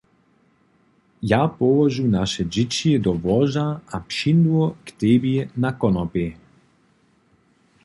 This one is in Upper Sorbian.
Ja połožu naše dźěći do łoža a přińdu k tebi na konopej.